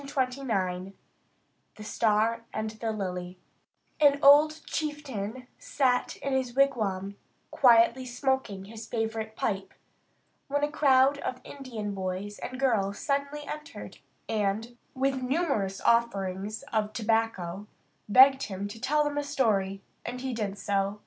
CHAPTER XVI THE STAR AND THE LILY An old chieftain sat in his wigwam, quietly smoking his favourite pipe, when a crowd of Indian boys and girls suddenly entered, and, with numerous offerings of tobacco, begged him to tell them a story, and he did so.